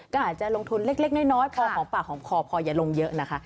ควรลงทุนเล็กน้อยพอของปากของคอยอย่าลงเยอะนะคะ